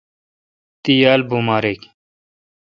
تی یال بومارک۔